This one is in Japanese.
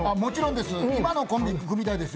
このコンビでやりたいですよ。